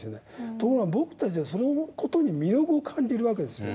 ところが僕たちはその事に魅力を感じるわけですよ。